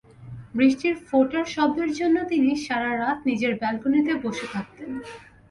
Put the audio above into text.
বৃষ্টির ফোঁটার শব্দের জন্য তিনি সারা রাত নিজের ব্যালকনিতে বসে থাকতেন।